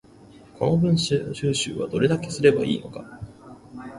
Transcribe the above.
この文章収集はどれだけすれば良いのか